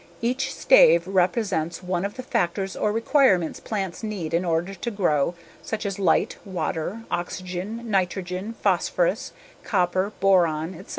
Each stave represents one of the factors or requirements plants need in order to grow such as light, water, oxygen, nitrogen, phosphorus, copper, boron, etc.